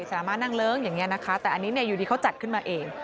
สามารถนั่งเลิ้งอย่างนี้นะคะแต่อันนี้อยู่ดีเขาจัดขึ้นมาเอง